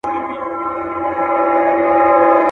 خدای قادر دی او نظر یې همېشه پر لویو غرونو.